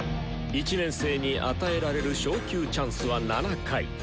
１年生に与えられる昇級チャンスは７回。